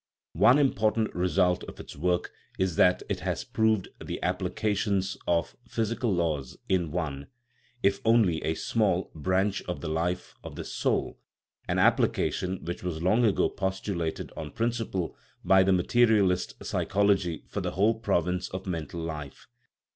One important re sult of its work is that it has proved the application of physical laws in one, if only a small, branch of the life of the " soul " an application which was long ago pos tulated on principle by the materialist psychology for the whole province of mental life.